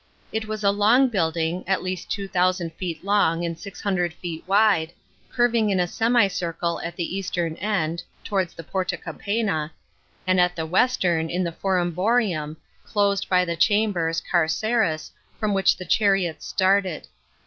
It was a long building, at least two thousand fe< t long and six hundred feet wide, curving in a semicircle at the eastern end (towards the Porta Capena) and at the western, in the Forum Boariu in, closed by the chambers (carceres) from which the char ots started.